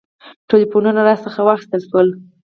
ټلفونونه راڅخه واخیستل شول.